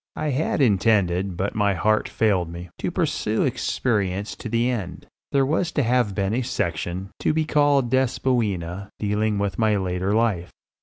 I had intended, but my heart failed me, to pursue experience to the end. There was to have been a section, to be called "Despoina," dealing with my later life.